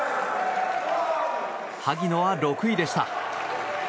萩野は６位でした。